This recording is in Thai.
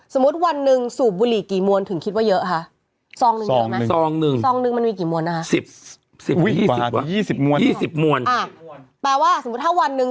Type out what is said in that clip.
สมมุติวันหนึ่งสูบบุหรี่กี่มวลถึงคิดว่าเยอะคะซองหนึ่งเยอะไหมซองหนึ่ง